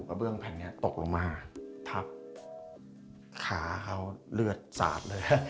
เบื้องแผ่นนี้ตกลงมาทับขาเขาเลือดสาดเลย